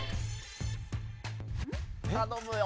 頼むよ！